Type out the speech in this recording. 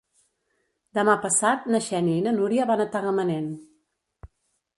Demà passat na Xènia i na Núria van a Tagamanent.